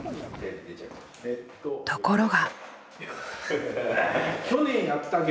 ところが。